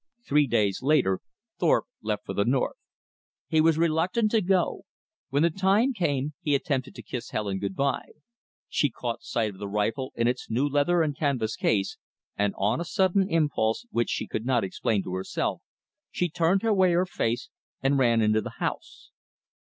Three days later Thorpe left for the north. He was reluctant to go. When the time came, he attempted to kiss Helen good by. She caught sight of the rifle in its new leather and canvas case, and on a sudden impulse which she could not explain to herself, she turned away her face and ran into the house.